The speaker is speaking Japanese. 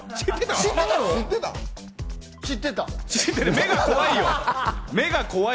目が怖いよ。